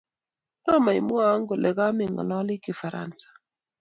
tomo imwowo kole ka me ng'alali Kifaransa